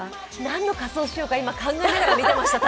何の仮装しようか、今考えながら見てました、